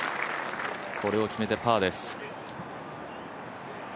これを決めてパーです。